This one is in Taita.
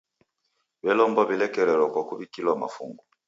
W'elomba w'ilekerelo kwa kuw'ikilwa mafungu.